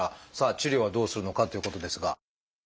治療はどうするのかっていうことですが。